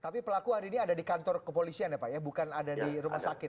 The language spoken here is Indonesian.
tapi pelaku hari ini ada di kantor kepolisian ya pak ya bukan ada di rumah sakit